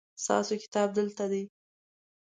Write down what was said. ستاسو کتاب دلته دی